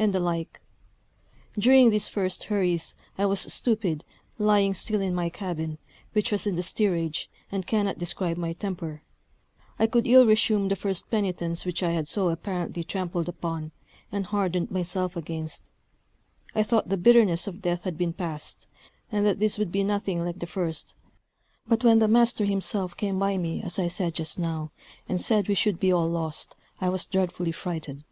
and the like. During these first hurries I was stupid, lying still in my cabin, which was in the steerage, and cannot describe my temper: I could ill resume the first penitence which I had so apparently trampled upon, and hardened myself against: I thought the bitterness of death had been past; and that this would be nothing like the first; but when the master himself came by me, as I said just now, and said we should be all lost, I was dreadfully frighted.